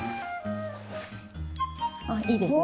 あっいいですね。